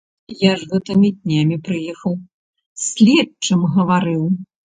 Я ж гэтымі днямі прыехаў, з следчым гаварыў.